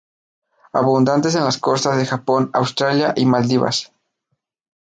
Abundantes en las costas de Japón, Australia y Maldivas.